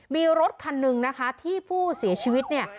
มีรถคันหนึ่งนะคะที่ผู้เสียชีวิตเนี่ย